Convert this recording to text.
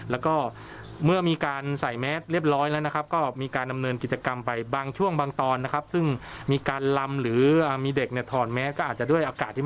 เราก็เมื่อมีการใส่แมสเรียบร้อยแล้วนะครับ